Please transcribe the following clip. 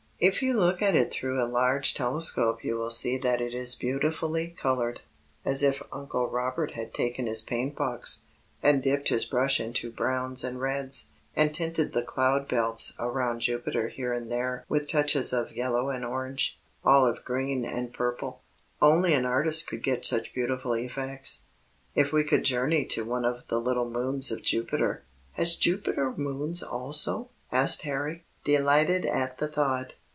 "If you look at it through a large telescope you will see that it is beautifully colored, as if Uncle Robert had taken his paint box, and dipped his brush into browns and reds, and tinted the cloud belts around Jupiter here and there with touches of yellow and orange, olive green and purple. Only an artist could get such beautiful effects. If we could journey to one of the little moons of Jupiter " "Has Jupiter moons also?" asked Harry, delighted at the thought.